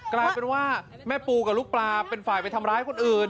กลายเป็นว่าแม่ปูกับลูกปลาเป็นฝ่ายไปทำร้ายคนอื่น